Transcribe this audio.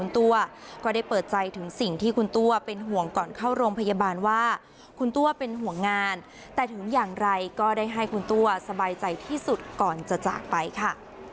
แต่ถึงอย่างไรก็ได้ให้คุณตัวสบายใจที่สุดก่อนจะจากไปค่ะ